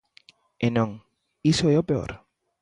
E non, iso é o peor.